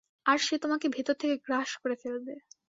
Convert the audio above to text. আর সে তোমাকে ভেতর থেকে গ্রাস করে ফেলবে।